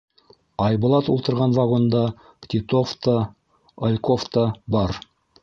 Айбулат ултырған вагонда Титов та, Альков та бар.